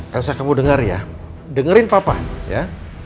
rasa kamu denger ya dengerin papa ya